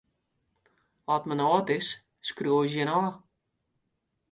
Ast men âld is, skriuwe se jin ôf.